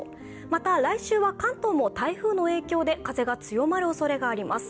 また、来週は関東も台風の影響で風が強まるおそれがあります。